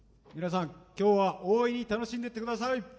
皆さん今日は大いに楽しんでいって下さい！